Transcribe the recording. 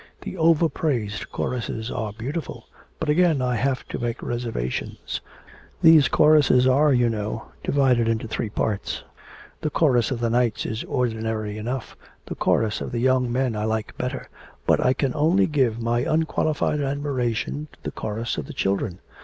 The over praised choruses are beautiful, but again I have to make reservations. These choruses are, you know, divided into three parts. The chorus of the knights is ordinary enough, the chorus of the young men I like better, but I can only give my unqualified admiration to the chorus of the children.